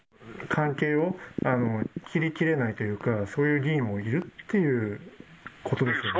関係を切りきれないというか、そういう議員もいるっていうことですよね。